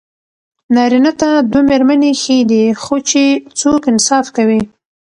نارېنه ته دوه ميرمني ښې دي، خو چې څوک انصاف کوي